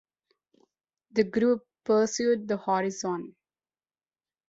The group pursued the Horizon.